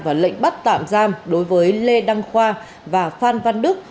và lệnh bắt tạm giam đối với lê đăng khoa và phan văn đức